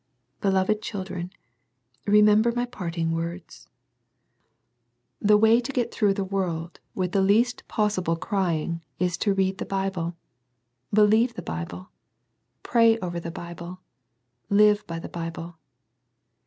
Beloved children, remember my parting words. The way to get thiougjci \)afe ^oxld wth the NO MORE CRYING. 8 1 least possible crying, is to read the Bible, believe the Bible, pray over the Bible, live by the Bible.